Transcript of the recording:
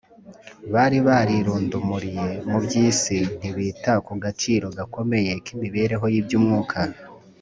bari barirundumuriye mu by’isi ntibita ku gaciro gakomeye k’imibereho y’iby’umwuka